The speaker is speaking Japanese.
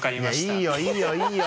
いやいいよいいよ！